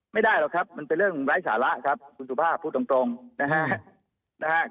ไม่ได้หรอกครับมันเป็นเรื่องไร้สาระครับคุณสุภาพพูดตรงนะฮะ